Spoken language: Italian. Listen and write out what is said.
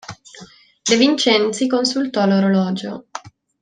De Vincenzi consultò l'orologio.